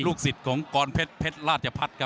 ลูกศิษย์ของกรเพชรเพชรลาชพัดครับ